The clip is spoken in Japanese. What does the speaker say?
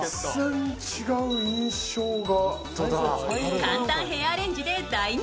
簡単ヘアアレンジで大変身。